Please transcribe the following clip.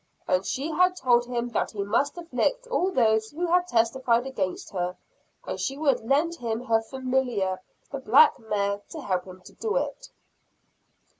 And she had told him that he must afflict all those who had testified against her; and she would lend him her 'familiar,' the black mare, to help him do it."